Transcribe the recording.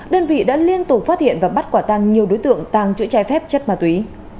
đơn vị đã liên tục phát hiện và bắt quả tăng nhiều đối tượng tàng chữ trái phép chất ma túy